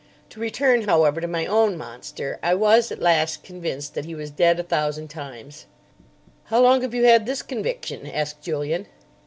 To return, however, to my own monster: I was at last convinced that he was dead a thousand times——" "How long have you had this conviction?" asked Julian.